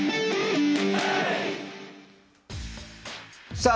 さあ